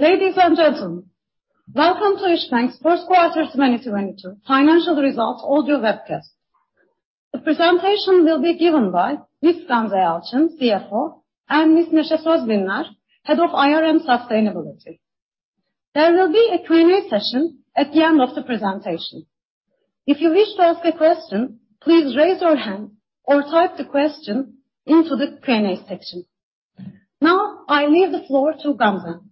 Ladies and gentlemen, welcome to İşbank's First Quarter 2022 Financial Results Audio Webcast. The presentation will be given by Ms. Gamze Yalçın, CFO, and Ms. Nesçe Özbilir, Head of IR and Sustainability. There will be a Q&A session at the end of the presentation. If you wish to ask a question, please raise your hand or type the question into the Q&A section. Now, I leave the floor to Gamze.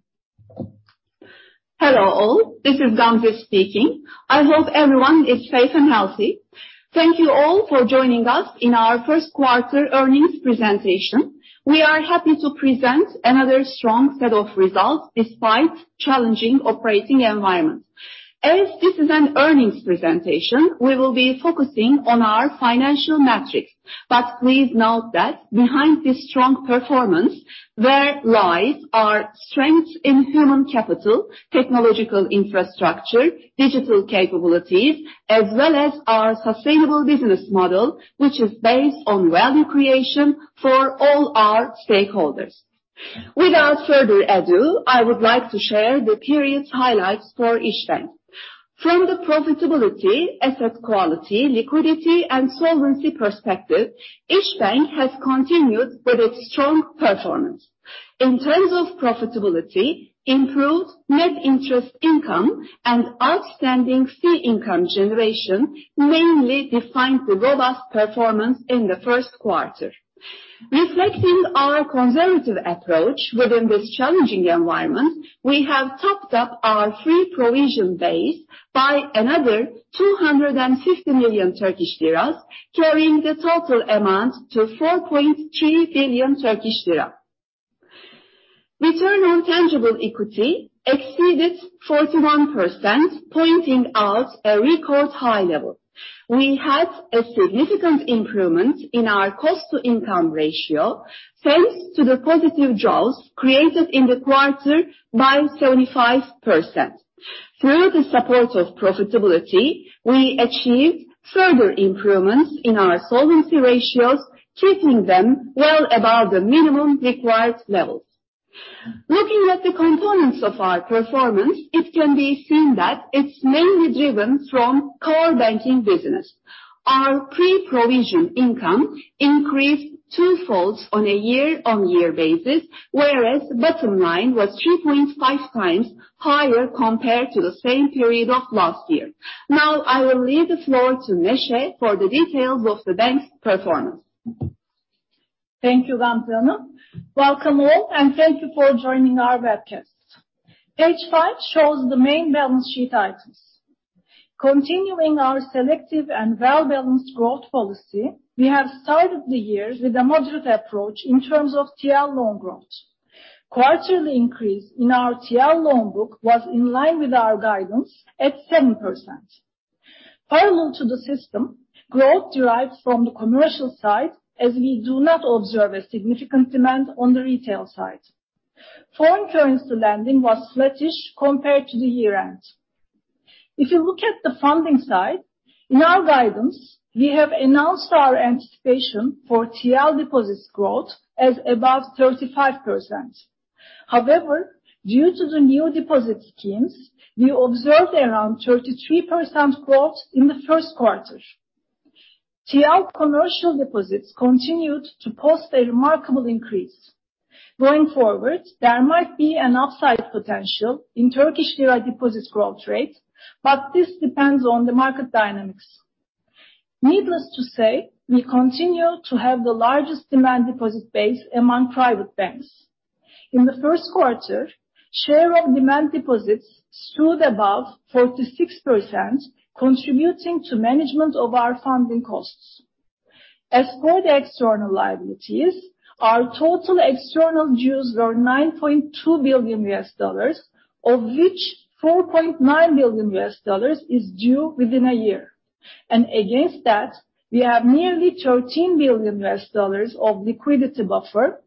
Hello all. This is Gamze speaking. I hope everyone is safe and healthy. Thank you all for joining us in our First Quarter Earnings Presentation. We are happy to present another strong set of results despite challenging operating environment. As this is an earnings presentation, we will be focusing on our financial metrics. Please note that behind this strong performance, there lies our strengths in human capital, technological infrastructure, digital capabilities, as well as our sustainable business model, which is based on value creation for all our stakeholders. Without further ado, I would like to share the period's highlights for İşbank. From the profitability, asset quality, liquidity and solvency perspective, İşbank has continued with its strong performance. In terms of profitability, improved net interest income and outstanding fee income generation mainly defined the robust performance in the first quarter. Reflecting our conservative approach within this challenging environment, we have topped up our free provision base by another 250 million Turkish lira, carrying the total amount to 4.3 billion Turkish lira. Return on tangible equity exceeded 41%, pointing out a record high level. We had a significant improvement in our cost to income ratio, thanks to the positive jobs created in the quarter by 75%. Through the support of profitability, we achieved further improvements in our solvency ratios, keeping them well above the minimum required levels. Looking at the components of our performance, it can be seen that it's mainly driven from core banking business. Our pre-provision income increased twofold on a year-on-year basis, whereas bottom line was 3.5 times higher compared to the same period of last year. Now I will leave the floor to Nesçe for the details of the bank's performance. Thank you, Gamze. Welcome all, and thank you for joining our webcast. Page 5 shows the main balance sheet items. Continuing our selective and well-balanced growth policy, we have started the year with a moderate approach in terms of TL loan growth. Quarterly increase in our TL loan book was in line with our guidance at 7%. Parallel to the system, growth derives from the commercial side as we do not observe a significant demand on the retail side. Foreign currency lending was flattish compared to the year end. If you look at the funding side, in our guidance, we have announced our anticipation for TL deposits growth as above 35%. However, due to the new deposit schemes, we observed around 33% growth in the first quarter. TL commercial deposits continued to post a remarkable increase. Going forward, there might be an upside potential in Turkish lira deposit growth rate, but this depends on the market dynamics. Needless to say, we continue to have the largest demand deposit base among private banks. In the first quarter, share of demand deposits stood above 46%, contributing to management of our funding costs. As for the external liabilities, our total external dues were $9.2 billion, of which $4.9 billion is due within a year. Against that, we have nearly $13 billion of liquidity buffer,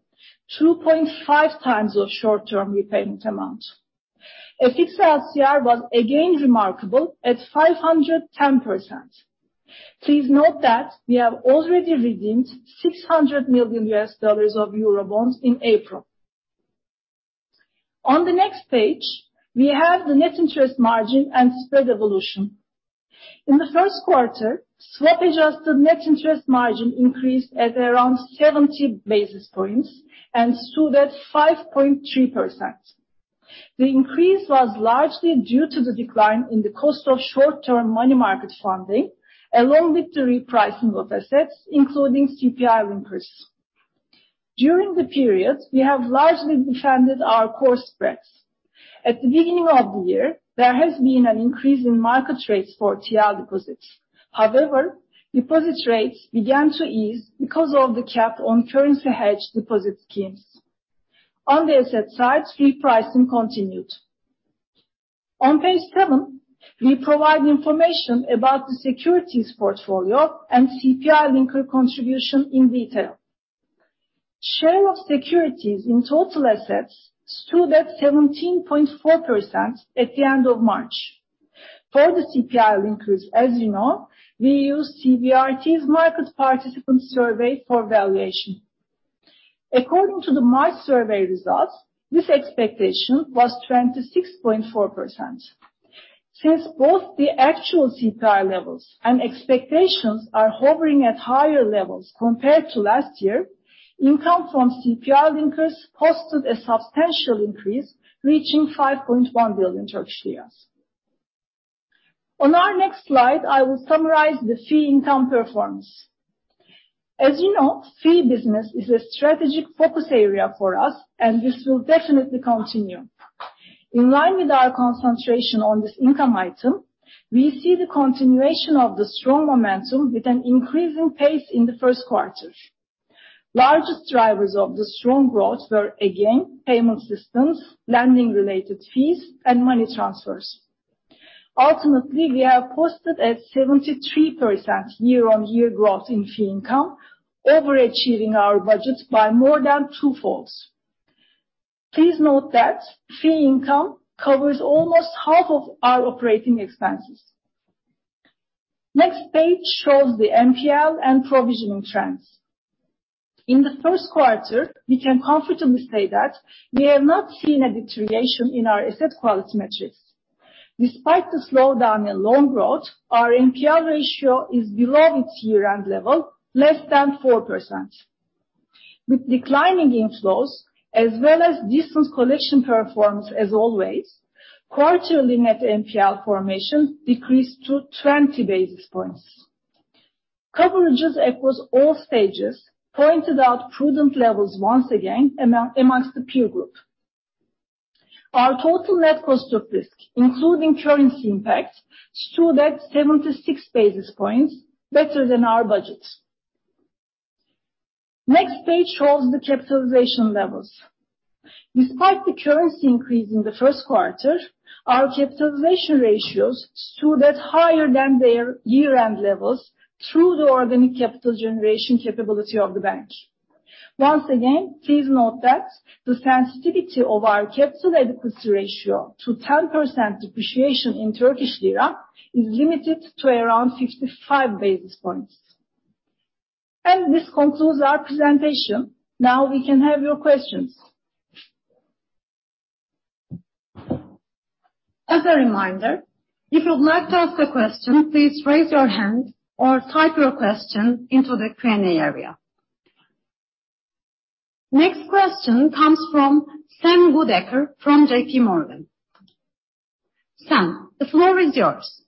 2.5 times of short-term repayment amount. FX LCR was again remarkable at 510%. Please note that we have already redeemed $600 million of Eurobonds in April. On the next page, we have the net interest margin and spread evolution. In the first quarter, swap-adjusted net interest margin increased at around 70 basis points and stood at 5.3%. The increase was largely due to the decline in the cost of short-term money market funding, along with the repricing of assets, including CPI linkers. During the period, we have largely defended our core spreads. At the beginning of the year, there has been an increase in market rates for TL deposits. However, deposit rates began to ease because of the cap on currency hedge deposit schemes. On the asset side, repricing continued. On page 7, we provide information about the securities portfolio and CPI linker contribution in detail. Share of securities in total assets stood at 17.4% at the end of March. For the CPI linkers, as you know, we use CBRT's market participant survey for valuation. According to the March survey results, this expectation was 26.4%. Since both the actual CPI levels and expectations are hovering at higher levels compared to last year, income from CPI linkers posted a substantial increase, reaching 5.1 billion Turkish lira. On our next slide, I will summarize the fee income performance. As you know, fee business is a strategic focus area for us, and this will definitely continue. In line with our concentration on this income item, we see the continuation of the strong momentum with an increasing pace in the first quarter. Largest drivers of the strong growth were, again, payment systems, lending-related fees, and money transfers. Ultimately, we have posted a 73% year-on-year growth in fee income, overachieving our budget by more than twofold. Please note that fee income covers almost half of our operating expenses. Next page shows the NPL and provisioning trends. In the first quarter, we can confidently say that we have not seen a deterioration in our asset quality metrics. Despite the slowdown in loan growth, our NPL ratio is below its year-end level, less than 4%. With declining inflows as well as diligent collection performance as always, quarterly net NPL formation decreased to 20 basis points. Coverages across all stages point to prudent levels once again amongst the peer group. Our total net cost of risk, including currency impact, stood at 76 basis points, better than our budget. Next page shows the capitalization levels. Despite the currency increase in the first quarter, our capitalization ratios stood at higher than their year-end levels through the organic capital generation capability of the bank. Once again, please note that the sensitivity of our capital adequacy ratio to 10% depreciation in Turkish lira is limited to around 55 basis points. This concludes our presentation. Now we can have your questions. As a reminder, if you'd like to ask a question, please raise your hand or type your question into the Q&A area. Next question comes from Sam Goodacre from J.P. Morgan. Sam, the floor is yours.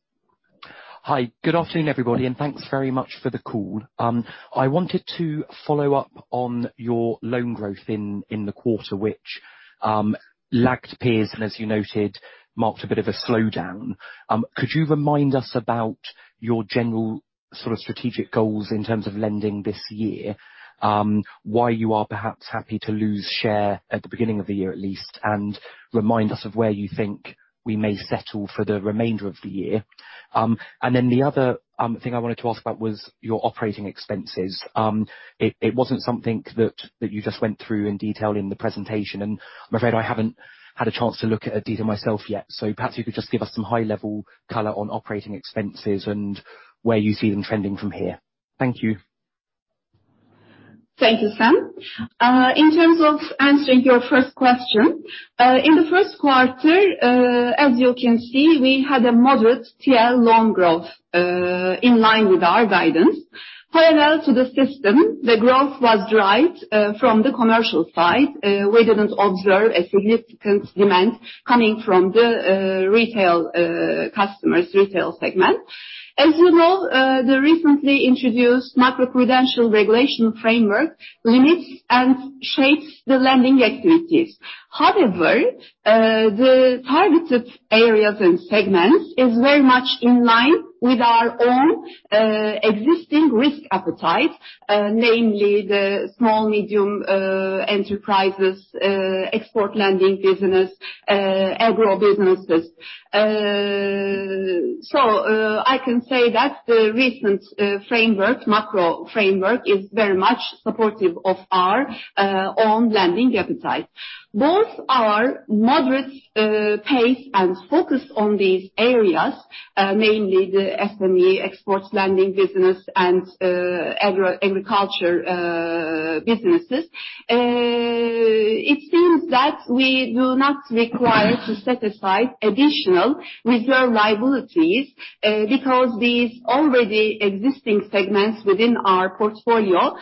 Hi. Good afternoon, everybody, and thanks very much for the call. I wanted to follow up on your loan growth in the quarter which lagged peers, and as you noted, marked a bit of a slowdown. Could you remind us about your general sort of strategic goals in terms of lending this year? Why you are perhaps happy to lose share at the beginning of the year at least, and remind us of where you think we may settle for the remainder of the year. The other thing I wanted to ask about was your operating expenses. It wasn't something that you just went through in detail in the presentation, and I'm afraid I haven't had a chance to look at the data myself yet. Perhaps you could just give us some high-level color on operating expenses and where you see them trending from here. Thank you. Thank you, Sam. In terms of answering your first question, in the first quarter, as you can see, we had a moderate TL loan growth, in line with our guidance. Parallel to the system, the growth was derived, from the commercial side. We didn't observe a significant demand coming from the, retail, customers, retail segment. As you know, the recently introduced macroprudential regulation framework limits and shapes the lending activities. However, the targeted areas and segments is very much in line with our own, existing risk appetite, namely the small, medium, enterprises, export lending business, agro businesses. So, I can say that the recent, framework, macro framework is very much supportive of our, own lending appetite. Both are moderate pace and focus on these areas, mainly the SME exports lending business and, agro, agriculture, businesses. It seems that we do not require to set aside additional reserve liabilities, because these already existing segments within our portfolio,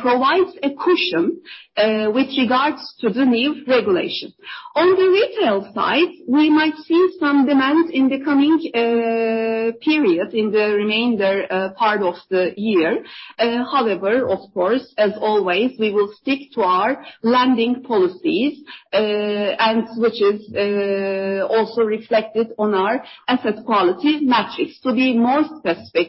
provides a cushion, with regards to the new regulation. On the retail side, we might see some demand in the coming Period in the remainder part of the year. However, of course, as always, we will stick to our lending policies, and which is also reflected on our asset quality metrics. To be more specific,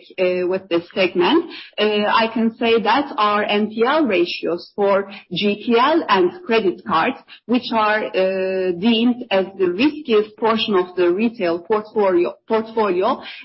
with this segment, I can say that our NPL ratios for GPL and credit cards, which are deemed as the riskiest portion of the retail portfolio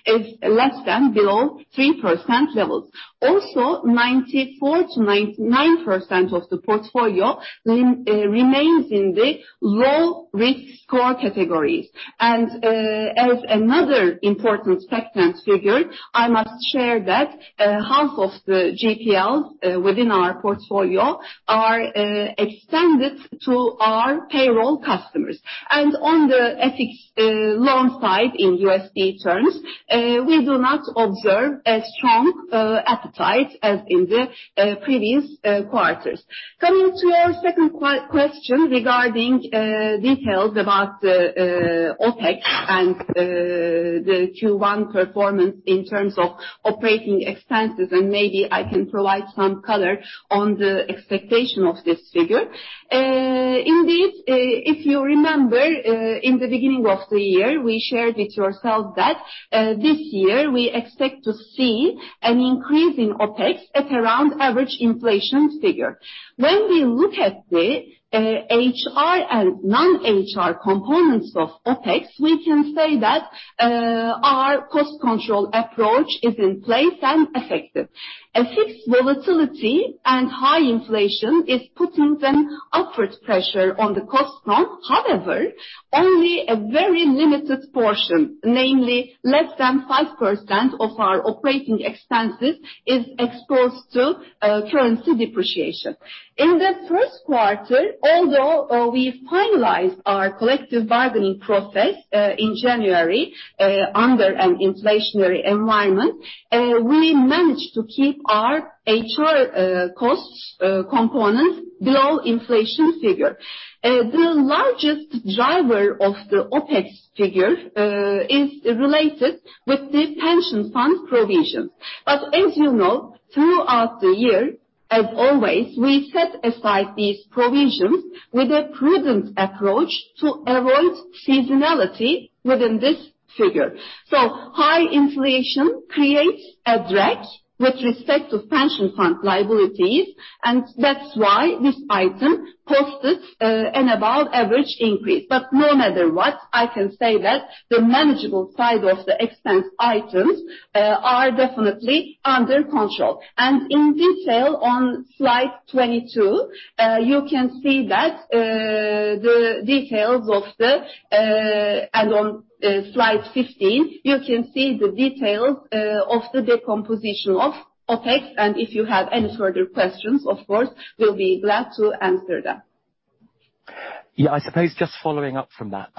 is less than below 3% levels. Also 94%-99% of the portfolio remains in the low risk score categories. As another important segment figure, I must share that half of the GPL within our portfolio are extended to our payroll customers. On the FX loan side in USD terms, we do not observe a strong appetite as in the previous quarters. Coming to our second question regarding details about OpEx and the Q1 performance in terms of operating expenses, and maybe I can provide some color on the expectation of this figure. Indeed, if you remember, in the beginning of the year, we shared with yourself that this year we expect to see an increase in OpEx at around average inflation figure. When we look at the HR and non-HR components of OpEx, we can say that our cost control approach is in place and effective. FX volatility and high inflation is putting some upward pressure on the cost front. However, only a very limited portion, namely less than 5% of our operating expenses, is exposed to currency depreciation. In the first quarter, although we finalized our collective bargaining process in January under an inflationary environment, we managed to keep our HR costs components below inflation figure. The largest driver of the OpEx figure is related with the pension fund provision. As you know, throughout the year, as always, we set aside these provisions with a prudent approach to avoid seasonality within this figure. High inflation creates a drag with respect to pension fund liabilities, and that's why this item posted an above average increase. No matter what, I can say that the manageable side of the expense items are definitely under control. In detail, on slide 22, you can see that, and on slide 15, you can see the details of the decomposition of OpEx. If you have any further questions, of course we'll be glad to answer them. Yeah. I suppose just following up from that.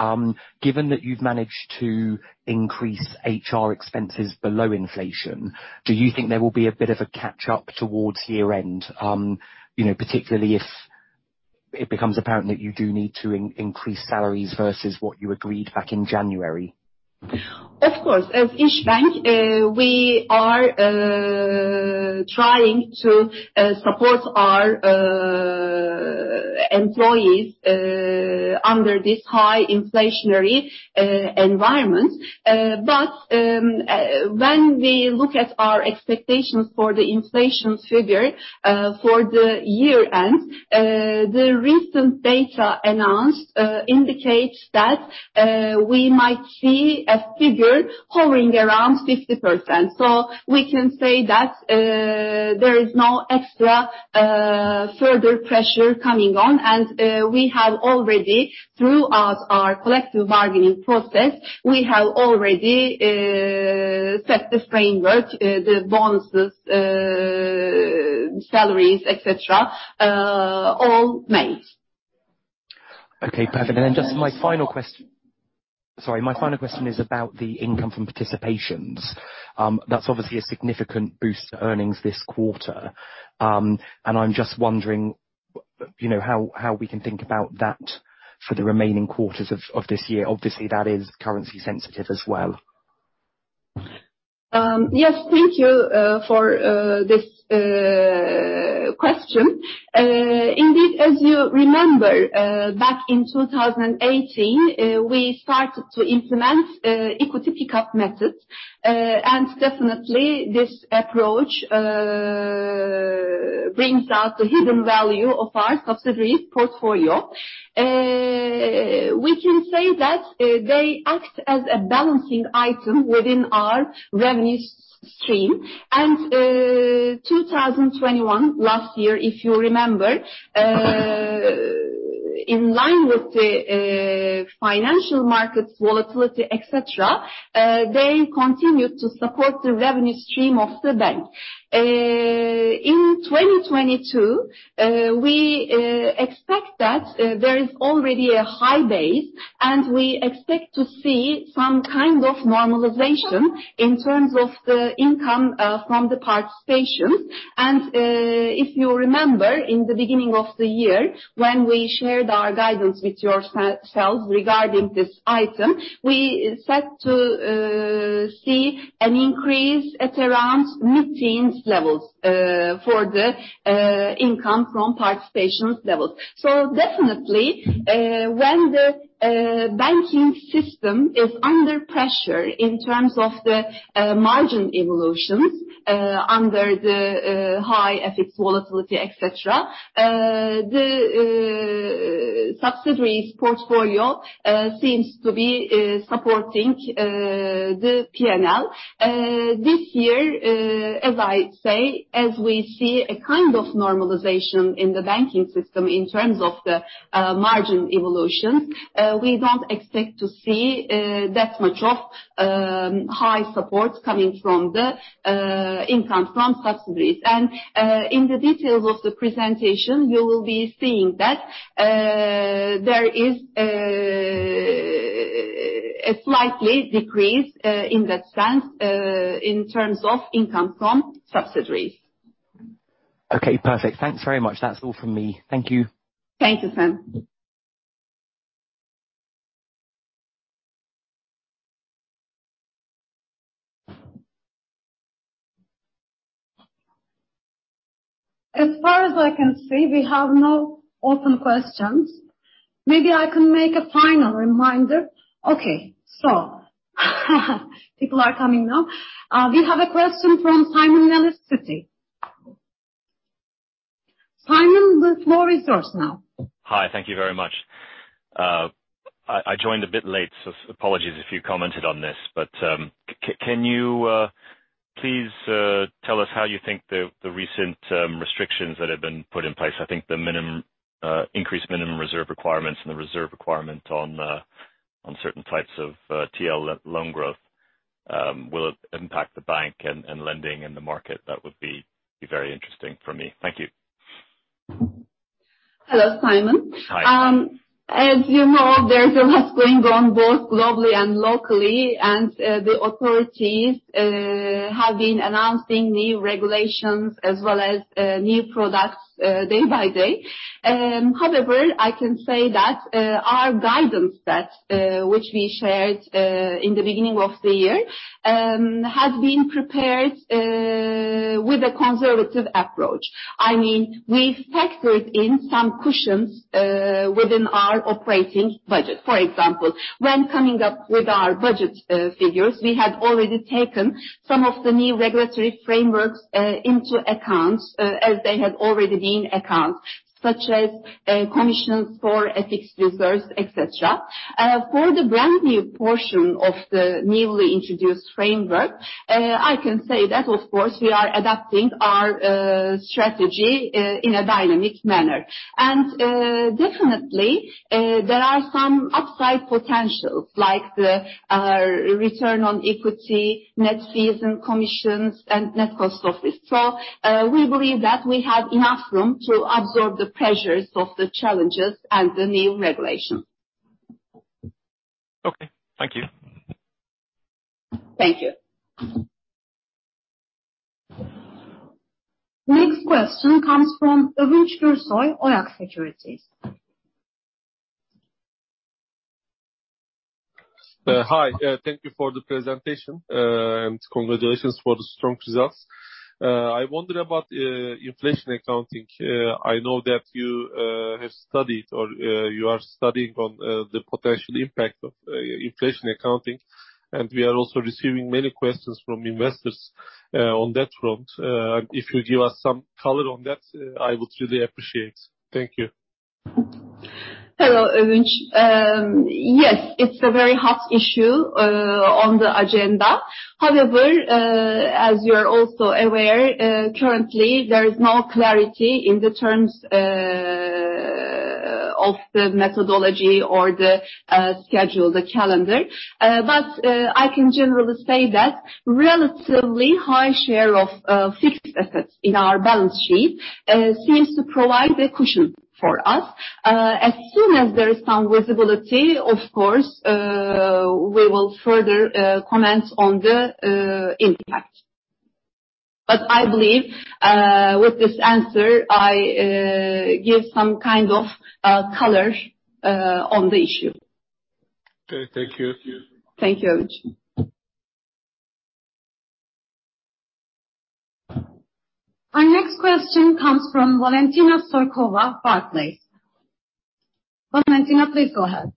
Given that you've managed to increase HR expenses below inflation, do you think there will be a bit of a catch up towards year-end? You know, particularly if it becomes apparent that you do need to increase salaries versus what you agreed back in January. Of course. As İşbank, we are trying to support our employees under this high inflationary environment. When we look at our expectations for the inflation figure for the year-end, the recent data announced indicates that we might see a figure hovering around 50%. We can say that there is no extra further pressure coming on. We have already, throughout our collective bargaining process, set the framework, the bonuses, salaries, et cetera, all made. Okay, perfect. Then just my final question. Sorry. My final question is about the income from participations. That's obviously a significant boost to earnings this quarter. I'm just wondering, you know, how we can think about that for the remaining quarters of this year. Obviously, that is currency sensitive as well. Yes. Thank you for this question. Indeed, as you remember, back in 2018, we started to implement equity pick-up method. Definitely this approach brings out the hidden value of our subsidiary portfolio. We can say that they act as a balancing item within our revenue stream. In 2021, last year, if you remember, in line with the financial markets volatility, et cetera, they continued to support the revenue stream of the bank. In 2022, we expect that there is already a high base, and we expect to see some kind of normalization in terms of the income from the participations. If you remember in the beginning of the year when we shared our guidance with yourselves regarding this item, we expect to see an increase at around mid-teens levels for the income from participations levels. Definitely, when the banking system is under pressure in terms of the margin evolutions, under the high FX volatility, et cetera, the subsidiaries portfolio seems to be supporting the P&L. This year, as I say, as we see a kind of normalization in the banking system in terms of the margin evolutions, we don't expect to see that much of high support coming from the income from subsidiaries. In the details of the presentation, you will be seeing that there is a slight decrease in that sense in terms of income from subsidiaries. Okay, perfect. Thanks very much. That's all from me. Thank you. Thank you, Sam. As far as I can see, we have no open questions. Maybe I can make a final reminder. Okay. People are coming now. We have a question from Simon Nellis, Citi. Simon, the floor is yours now. Hi. Thank you very much. I joined a bit late, so apologies if you commented on this. Can you please tell us how you think the recent restrictions that have been put in place, I think the increased minimum reserve requirements and the reserve requirement on certain types of TL loan growth, will impact the bank and lending in the market? That would be very interesting for me. Thank you. Hello, Simon. Hi. As you know, there's a lot going on both globally and locally. The authorities have been announcing new regulations as well as new products day by day. However, I can say that our guidance, which we shared in the beginning of the year, has been prepared with a conservative approach. I mean, we factored in some cushions within our operating budget. For example, when coming up with our budget figures, we had already taken some of the new regulatory frameworks into account, as they have already been accounted for, such as commissions for FX users, et cetera. For the brand new portion of the newly introduced framework, I can say that, of course, we are adapting our strategy in a dynamic manner. Definitely, there are some upside potentials like the return on equity, net fees and commissions and net cost of risk. We believe that we have enough room to absorb the pressures of the challenges and the new regulations. Okay. Thank you. Thank you. Next question comes from Övünç Gürsoy, OYAK Securities. Hi. Thank you for the presentation, and congratulations for the strong results. I wonder about inflation accounting. I know that you have studied or you are studying on the potential impact of inflation accounting, and we are also receiving many questions from investors on that front. If you give us some color on that, I would really appreciate. Thank you. Hello, Övünç. Yes, it's a very hot issue on the agenda. However, as you're also aware, currently there is no clarity in the terms of the methodology or the schedule, the calendar. I can generally say that relatively high share of fixed assets in our balance sheet seems to provide a cushion for us. As soon as there is some visibility, of course, we will further comment on the impact. I believe with this answer, I give some kind of color on the issue. Okay. Thank you. Thank you, Övünç. Our next question comes from Valentina Stoykova, Barclays. Valentina, please go ahead.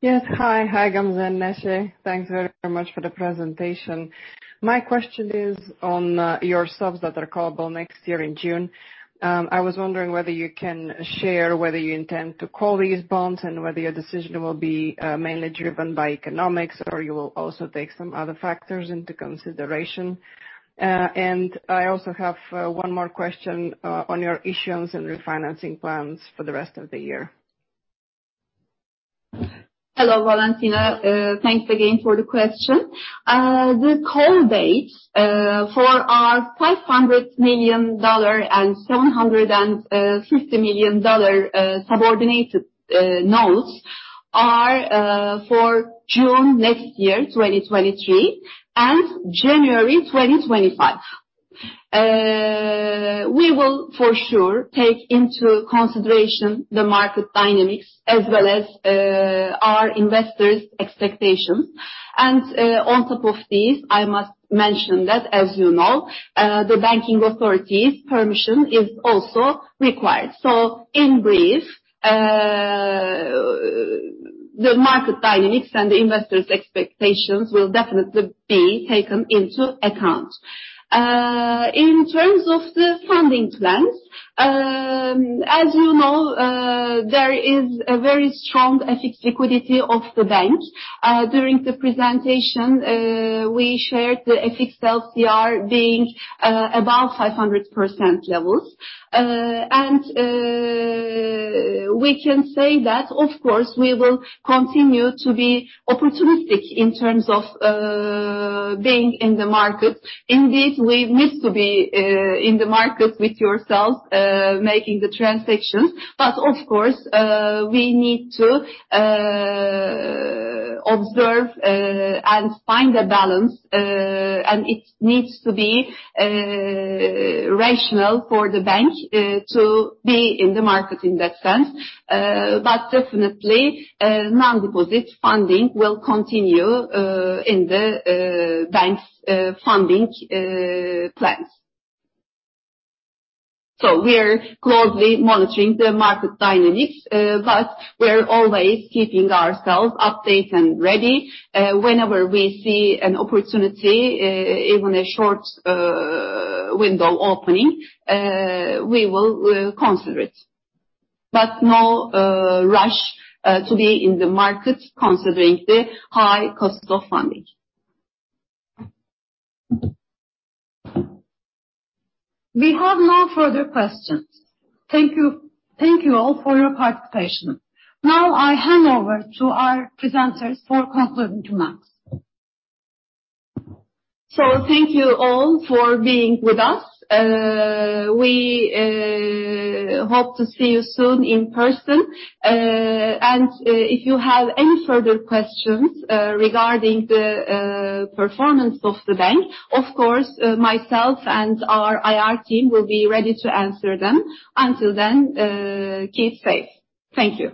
Yes. Hi. Hi, Gamze and Nesçe. Thanks very much for the presentation. My question is on your subs that are callable next year in June. I was wondering whether you can share whether you intend to call these bonds and whether your decision will be mainly driven by economics or you will also take some other factors into consideration. I also have one more question on your issuance and refinancing plans for the rest of the year. Hello, Valentina. Thanks again for the question. The call date for our $500 million and $750 million subordinated notes are for June next year, 2023, and January 2025. We will for sure take into consideration the market dynamics as well as our investors' expectation. On top of these, I must mention that as you know, the banking authority's permission is also required. In brief, the market dynamics and the investors' expectations will definitely be taken into account. In terms of the funding plans, as you know, there is a very strong FX liquidity of the bank. During the presentation, we shared the FX LCR being above 500% levels. We can say that of course we will continue to be opportunistic in terms of being in the market. Indeed, we wish to be in the market with yourself making the transactions. Of course, we need to observe and find a balance, and it needs to be rational for the bank to be in the market in that sense. But definitely, non-deposit funding will continue in the bank's funding plans. We're closely monitoring the market dynamics, but we are always keeping ourselves updated and ready. Whenever we see an opportunity, even a short window opening, we will consider it. No rush to be in the market considering the high cost of funding. We have no further questions. Thank you. Thank you all for your participation. Now, I hand over to our presenters for concluding remarks. Thank you all for being with us. We hope to see you soon in person. If you have any further questions regarding the performance of the bank, of course, myself and our IR team will be ready to answer them. Until then, keep safe. Thank you.